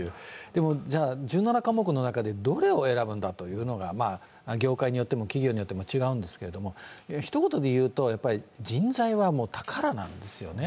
でもじゃあ１７科目の中でどれを選ぶのかというのは業界によっても企業によっても違うんですけれども、ひと言で言うと人材は宝なんですよね。